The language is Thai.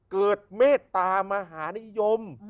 เมตตามหานิยม